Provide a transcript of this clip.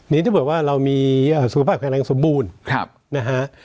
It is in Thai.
นี่ถ้าเกิดว่าเรามีสุขภาพแข็งแรงสมบูรณ์นะฮะ